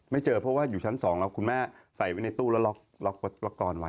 เจอเพราะว่าอยู่ชั้น๒แล้วคุณแม่ใส่ไว้ในตู้แล้วล็อกละกอนไว้